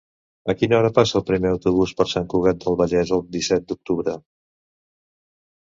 A quina hora passa el primer autobús per Sant Cugat del Vallès el disset d'octubre?